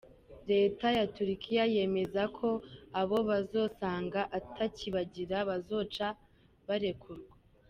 Reta ya Turkia yemeza ko abo bazosanga atakibagira bazoca barekurwa.